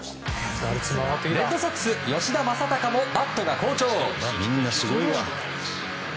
レッドソックス、吉田正尚もバットが好調。